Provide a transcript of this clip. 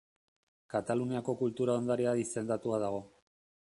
Kataluniako Kultura Ondarea izendatua dago.